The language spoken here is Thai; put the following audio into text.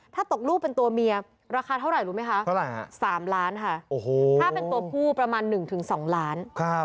ถ้าตกลูกเป็นตัวเมียราคาเท่าไหร่รู้ไหมคะ๓ล้านค่ะถ้าเป็นตัวผู้ประมาณ๑๒ล้าน